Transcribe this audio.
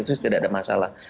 itu tidak ada masalah